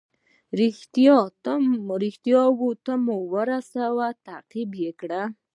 ریښتیاوو ته مو رسوي تعقیب یې کړئ.